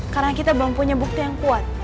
karena kita belum punya bukti yang kuat